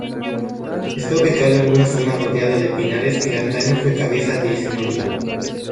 Está ubicado en una zona rodeada de pinares que antaño fue cabeza de señorío.